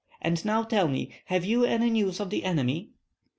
And now tell me have you any news of the enemy?"